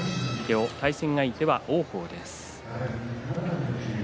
対戦相手は王鵬です。